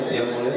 ya yang mulai